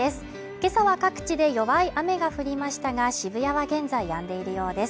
今朝は各地で弱い雨が降りましたが渋谷は現在やんでいるようです。